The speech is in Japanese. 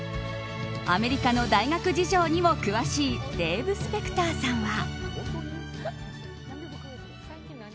アメリカの大学事情にも詳しいデーブ・スペクターさんは。